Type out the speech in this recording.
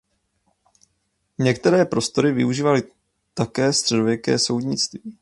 Některé prostory využívalo také středověké soudnictví.